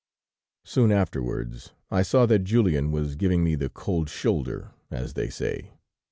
Soon afterwards I saw that Julien was giving me the 'cold shoulder,' as they say.